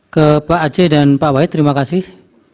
ke pak aceh dan pak wahid terima kasih